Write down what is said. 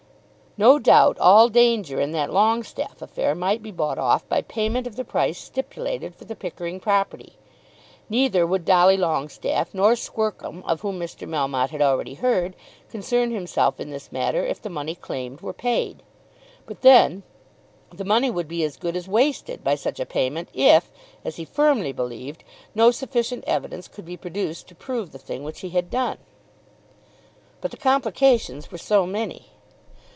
No doubt all danger in that Longestaffe affair might be bought off by payment of the price stipulated for the Pickering property. Neither would Dolly Longestaffe nor Squercum, of whom Mr. Melmotte had already heard, concern himself in this matter if the money claimed were paid. But then the money would be as good as wasted by such a payment, if, as he firmly believed, no sufficient evidence could be produced to prove the thing which he had done. But the complications were so many!